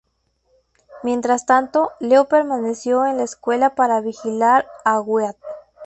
Mientras tanto, Leo permaneció en la escuela para vigilar a Wyatt.